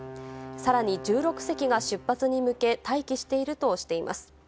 さらに１６隻が出発に向け、待機しているとしています。